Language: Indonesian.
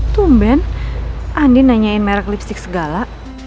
tumben andi nanyain merek lipstick segala